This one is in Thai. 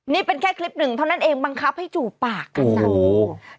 นี่เป็นแค่คลิปหนึ่งเท่านั้นเองบังคับให้จูบปากขนาดนี้